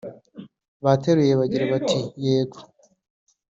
Bateruye bagira bati “Yego